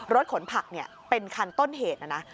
รถขนผักเป็นคันต้นเหตุนะนะ